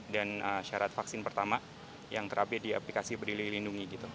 dan syarat vaksin pertama yang terakhir di aplikasi peduli lindungi gitu